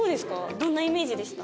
どんなイメージでした？